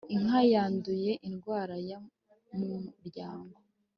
inka yanduye indwara ya muryamo